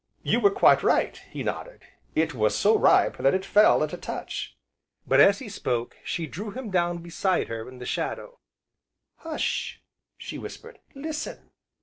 "You were quite right," he nodded, "it was so ripe that it fell at a touch." But, as he spoke, she drew him down beside her in the shadow: "Hush!" she whispered, "Listen!"